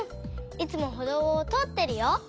いつもほどうをとおってるよ。